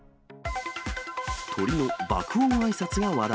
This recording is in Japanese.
鳥の爆音あいさつが話題。